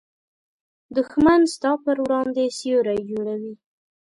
دښمن ستا پر وړاندې سیوری جوړوي